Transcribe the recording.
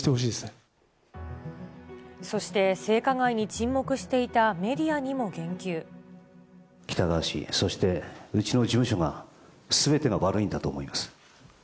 そして、性加害に沈黙してい喜多川氏、そしてうちの事務所が、すべてが悪いんだと思います。